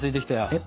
えっ？